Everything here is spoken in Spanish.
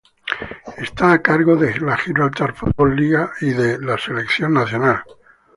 Está a cargo de la Gibraltar Football League y de la selección nacional.